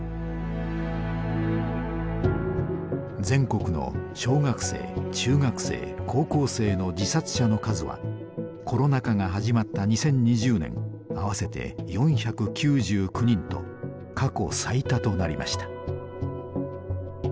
全国の小学生中学生高校生の自殺者の数はコロナ禍が始まった２０２０年合わせて４９９人と過去最多となりました。